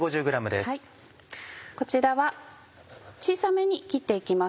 こちらは小さめに切って行きます。